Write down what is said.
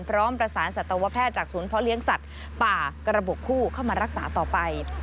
พร้อมประสานสัตวแพทย์จากศูนย์เพาะเลี้ยงสัตว์ป่ากระบบคู่เข้ามารักษาต่อไป